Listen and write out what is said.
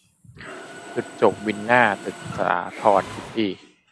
จุดจบวินหน้าตึกสาธรซิตี้